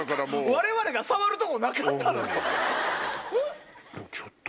我々が触るとこなかったのに。